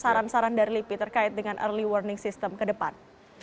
apa saja kemudian saran saran dari lipi terkait dengan early warning system ke depan